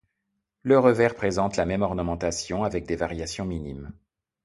Le revers présente la même ornementation, avec des variations minimes.